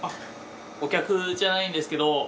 お客じゃないんですけど。